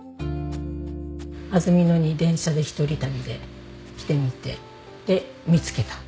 安曇野に電車で一人旅で来てみてで見つけた。